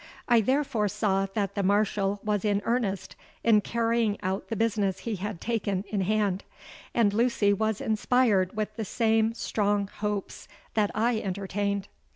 I therefore saw that the Marshal was in earnest in carrying out the business he had taken in hand; and Lucy was inspired with the same strong hopes that I entertained.